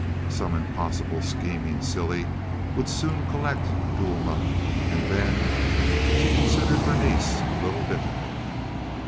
Some impossible scheming silly would soon collect Duelma, and then— She considered Berenice a little difficult.